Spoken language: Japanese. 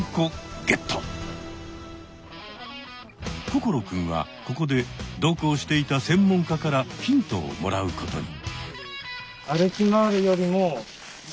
心くんはここで同行していた専門家からヒントをもらうことに。